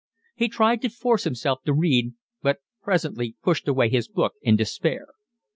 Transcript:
He tried to force himself to read, but presently pushed away his book in despair.